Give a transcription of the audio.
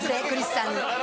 クリスさん